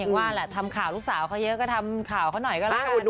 ว่าแหละทำข่าวลูกสาวเขาเยอะก็ทำข่าวเขาหน่อยก็แล้วกัน